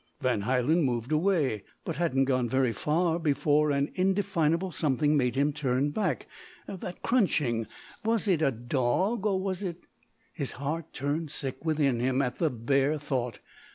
Van Hielen moved away, but hadn't gone very far before an indefinable something made him turn back. That crunching, was it a dog or was it ? His heart turned sick within him at the bare thought.